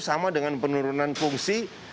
sama dengan penurunan fungsi